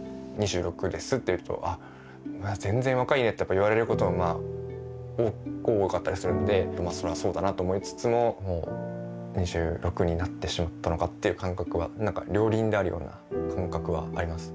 「２６です」って言うと「あまだ全然若いね」ってやっぱ言われることも多かったりするのでそれはそうだなと思いつつももう２６になってしまったのかっていう感覚はなんか両輪であるような感覚はあります。